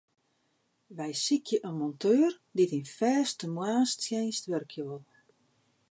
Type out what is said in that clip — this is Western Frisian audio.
Wy sykje in monteur dy't yn fêste moarnstsjinst wurkje wol.